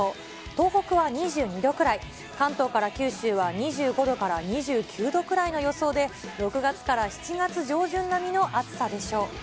東北は２２度くらい、関東から九州は２５度から２９度くらいの予想で、６月から７月上旬並みの暑さでしょう。